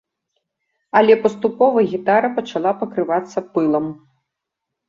Але паступова гітара пачала пакрывацца пылам.